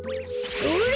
それ！